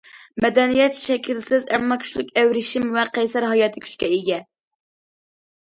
مەدەنىيەت شەكىلسىز، ئەمما كۈچلۈك ئەۋرىشىم ۋە قەيسەر ھاياتىي كۈچكە ئىگە.